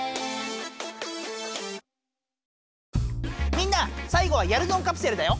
みんなさいごはやるぞんカプセルだよ！